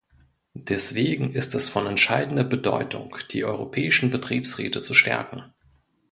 Deswegen ist es von entscheidender Bedeutung, die europäischen Betriebsräte zu stärken.